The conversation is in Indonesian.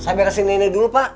saya beresin nenek dulu pak